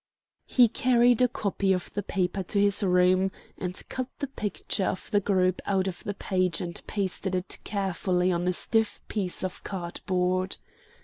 He carried a copy of the paper to his room, and cut the picture of the group out of the page and pasted it carefully on a stiff piece of card board.